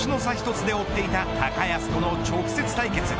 １つで追っていた高安との直接対決。